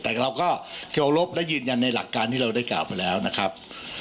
แต่เราก็เคารพและยืนยันในหลักการที่เราได้กล่าวไปแล้วนะครับ